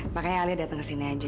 makanya alia datang ke sini aja